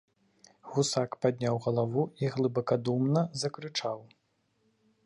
Гусак падняў галаву і глыбакадумна закрычаў.